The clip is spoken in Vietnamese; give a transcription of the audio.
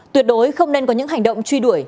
tuyệt đối không nên có những hành động truy đuổi